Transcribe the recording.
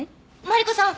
マリコさん